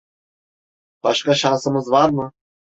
Başka şansımız var mı?